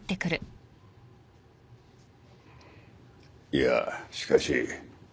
・いやしかし。